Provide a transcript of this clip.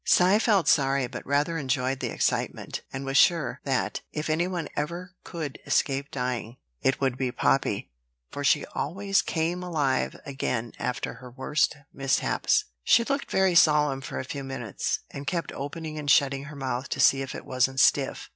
Cy felt sorry, but rather enjoyed the excitement, and was sure, that, if any one ever could escape dying, it would be Poppy, for she always "came alive" again after her worst mishaps. She looked very solemn for a few minutes, and kept opening and shutting her mouth to see if it wasn't stiff.